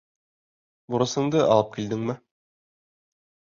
Бурысыңды алып килдеңме?